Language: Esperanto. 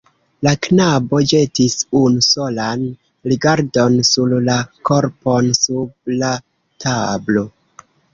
La knabo ĵetis unu solan rigardon sur la korpon sub la tablo.